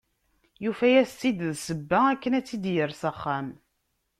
Yufa-as-tt-id d ssebba akken ad tt-id-yerr s axxam.